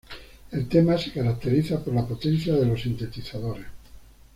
El tema se caracteriza por la potencia de los sintetizadores.